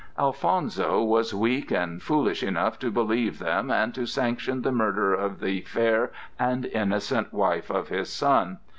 Alfonso was weak and foolish enough to believe them and to sanction the murder of the fair and innocent wife of his son.